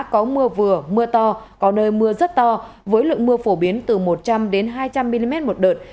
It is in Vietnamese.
có mưa vừa mưa to có nơi mưa rất to với lượng mưa phổ biến từ một trăm linh hai trăm linh mm một đợt